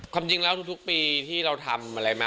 ความจริงแล้วทุกปีที่เราทำอะไรมา